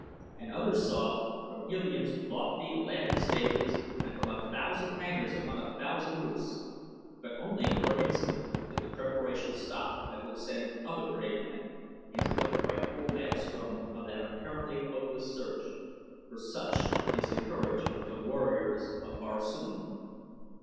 And others saw, from Helium's lofty landing stages and from a thousand hangars upon a thousand roofs; but only for an instant did the preparations stop that would send other brave men into the frightful maelstrom of that apparently hopeless search, for such is the courage of the warriors of Barsoom.